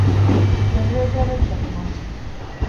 ޖަނަރޭޓަރެއް ގަތުމަށް